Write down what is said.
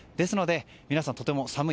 皆さんとても寒い。